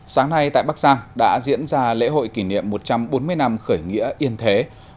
sáng nay tại bắc giang đã diễn ra lễ hội kỷ niệm một trăm bốn mươi năm khởi nghĩa yên thế một nghìn tám trăm tám mươi bốn hai nghìn hai mươi bốn